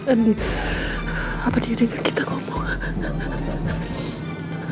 andi apa dia denger kita ngomong